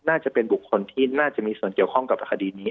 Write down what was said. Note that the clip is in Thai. น่าจะเป็นบุคคลที่น่าจะมีส่วนเกี่ยวข้องกับคดีนี้